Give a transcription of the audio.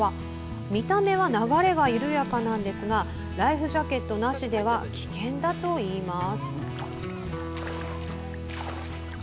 見た目は流れが緩やかなんですがライフジャケットなしでは危険だといいます。